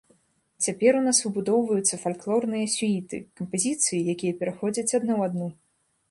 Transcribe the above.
Цяпер у нас выбудоўваюцца фальклорныя сюіты, кампазіцыі, якія пераходзяць адна ў адну.